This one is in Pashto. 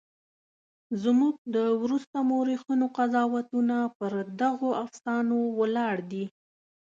زموږ د وروسته مورخینو قضاوتونه پر دغو افسانو ولاړ دي.